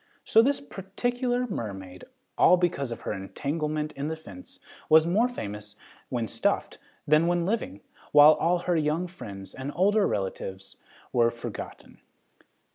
So this particular mermaid, all because of her entanglement in the fence, was more famous when stuffed than when living, while all her young friends and older relatives were forgotten.